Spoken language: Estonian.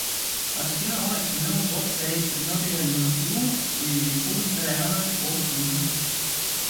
Kas sina oleksid nõus otse-eetris abielluma, juhul, kui pulm telekanali poolt kinni makstaks?